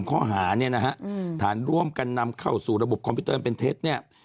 ข้อหาเนี่ยนะฮะฐานร่วมกันนำเข้าสู่ระบบคอมพิวเตอร์เป็นเท็จเนี่ย